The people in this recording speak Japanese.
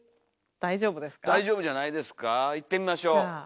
大丈夫じゃないですかいってみましょう。